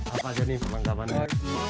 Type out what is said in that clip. apa aja nih penangkamannya